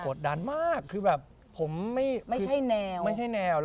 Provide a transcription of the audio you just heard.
กดดันมากคือแบบผมไม่ไม่ใช่แนว